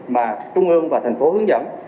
mà trung ương và tp hcm hướng dẫn